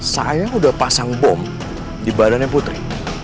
saya udah pasang bom di badannya putri